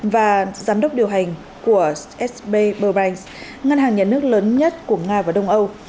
và giám đốc điều hành của sb burbanks ngân hàng nhà nước lớn nhất của nga và đông âu